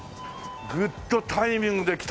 グッドタイミングで来た！